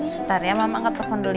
sebentar ya mama angkat telepon dulu ya